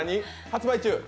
発売中？